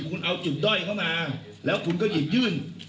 คุณเอาจุดด้อยเข้ามาแล้วคุณก็หยิบยื่น